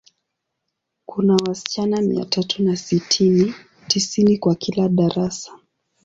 Kuna wasichana mia tatu na sitini, tisini kwa kila darasa.